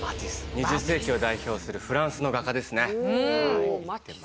２０世紀を代表するフランスの画家ですね。